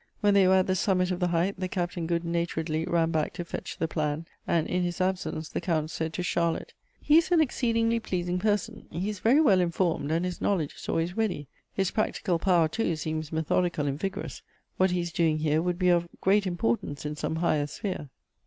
When they were at the summit of the height, the Captain good naturedly ran back to fetch the plan, and in his absence the Count said to Charlotte, " He is an exceedingly pleasing person. lie is very well informed, and his knowledge is always ready. His practical power, too, seems methodical and vigorous. What he is doing here would be of great importance in some higher sphere."